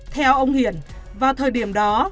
theo ông hiển vào thời điểm đó